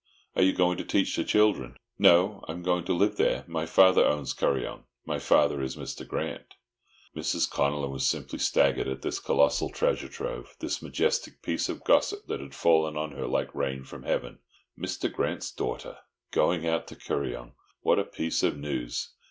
"Are you going to teach the children?" "No, I'm going to live there. My father owns Kuryong. My father is Mr. Grant." Mrs. Connellan was simply staggered at this colossal treasure trove, this majestic piece of gossip that had fallen on her like rain from Heaven. Mr. Grant's daughter! Going out to Kuryong! What a piece of news!